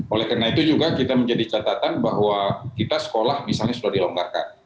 oleh karena itu juga kita menjadi catatan bahwa kita sekolah misalnya sudah dilonggarkan